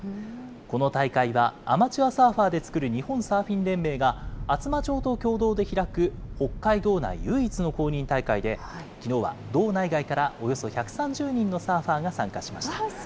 この大会はアマチュアサーファーで作る日本サーフィン連盟が、厚真町と共同で開く北海道内唯一の公認大会で、きのうは道内外からおよそ１３０人のサーファーが参加しました。